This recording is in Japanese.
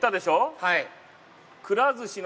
はい。